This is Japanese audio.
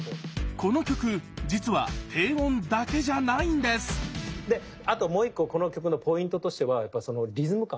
この曲実は低音だけじゃないんですであともう１個この曲のポイントとしてはやっぱりそのリズム感。